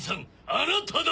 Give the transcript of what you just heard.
あなただ‼